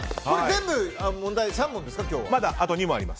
全部問題、３問ですか？